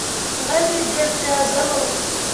غږ يې ډېر تازه وو.